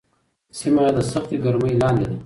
سیمه د سختې ګرمۍ لاندې ده.